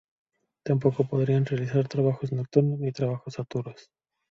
Tampoco podrán realizar trabajos nocturnos ni trabajo a turnos".